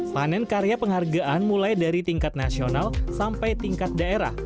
panen karya penghargaan mulai dari tingkat nasional sampai tingkat daerah